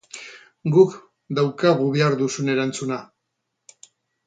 Guk daukagu behar duzun erantzuna!